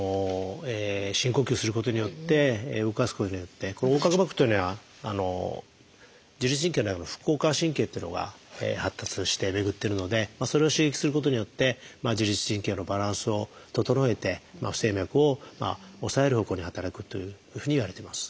深呼吸することによって動かすことによって横隔膜というのは自律神経の副交感神経っていうのが発達して巡ってるのでそれを刺激することによって自律神経のバランスを整えて不整脈を抑える方向に働くというふうにいわれてます。